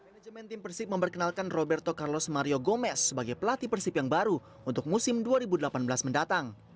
manajemen tim persib memperkenalkan roberto carlos mario gomez sebagai pelatih persib yang baru untuk musim dua ribu delapan belas mendatang